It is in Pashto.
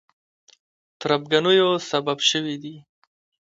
تربګنیو سبب شوي دي.